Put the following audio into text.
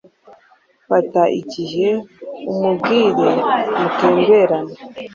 Fata igihe umubwire mutemberane